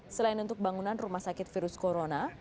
selain untuk bangunan rumah sakit virus corona